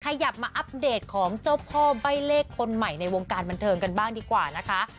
ขยับมาอัปเดตของเจ้าพ่อใบ้เลขคนใหม่ในวงการบันเทิงกันบ้างดีกว่านะคะ